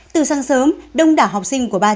từ sáng sớm đông đảo học sinh của ba trường